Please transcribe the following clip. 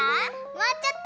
もうちょっと。